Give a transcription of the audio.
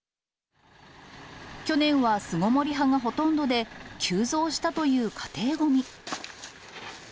去年は巣ごもり派がほとんどで、急増したという家庭ごみ。